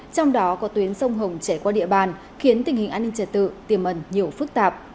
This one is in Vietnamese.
trong đó có tuyến sông hồng chảy qua địa bàn khiến tình hình an ninh trật tự tiềm ẩn nhiều phức tạp